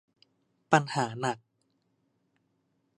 ปัญหาหนัก